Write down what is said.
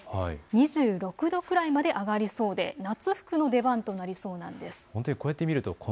２６度くらいまで上がりそうで夏服の出番となりそうです。